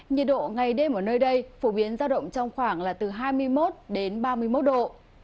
nhiệt độ ngày đêm ở nơi đây phổ biến giao động trong khoảng là từ hai mươi một đến ba mươi một độ